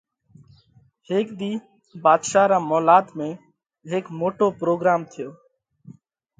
هيڪ ۮِي ڀاڌشا را مولات ۾ هيڪ موٽو پروڳروم ٿيو۔